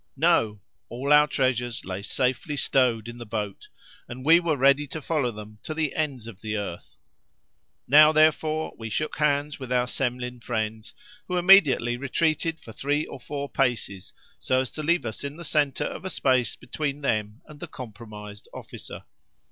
—No; all our treasures lay safely stowed in the boat, and we were ready to follow them to the ends of the earth. Now, therefore, we shook hands with our Semlin friends, who immediately retreated for three or four paces, so as to leave us in the centre of a space between them and the "compromised" officer.